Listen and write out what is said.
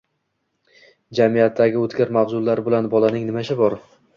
Jamiyatdagi o‘tkir mavzular bilan bolaning nima ishi bor?